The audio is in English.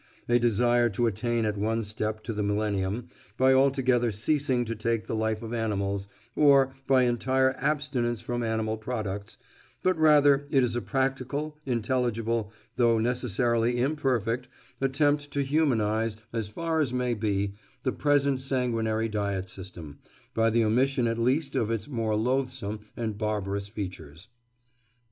a desire to attain at one step to the millennium, by altogether ceasing to take the life of animals, or by entire abstinence from animal products—but rather it is a practical, intelligible, though necessarily imperfect, attempt to humanise, as far as may be, the present sanguinary diet system, by the omission at least of its more loathsome and barbarous features.